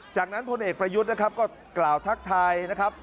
จากนั้นพลเอกประยุทธ์นะครับก็กล่าวทักทายนะครับ